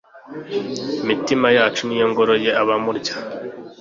imitima yacu ni yo ngoro ye, abamurya